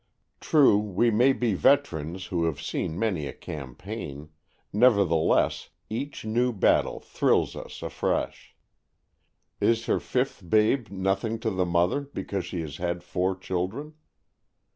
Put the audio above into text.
True, we may be veterans, who have seen many a campaign; nevertheless, each new battle thrills us afresh. Is her fifth babe nothing to the mother, because she has had four children?